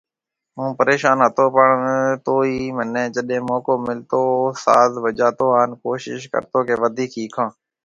هُون پريشون هوتو پڻ توئي منهي جڏي موقعو ملتو هو ساز بجاتو هان ڪوشش ڪرتو ڪي وڌيڪ ۿيکون